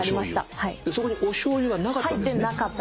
そこにおしょうゆがなかった。